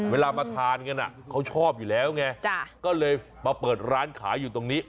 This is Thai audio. เวลามาทานกันเขาชอบอยู่แล้วไงก็เลยมาเปิดร้านขายอยู่ตรงนี้